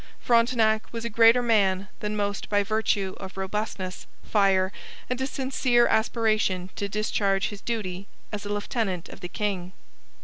Frontenac was a greater man than most by virtue of robustness, fire, and a sincere aspiration to discharge his duty as a lieutenant of the king.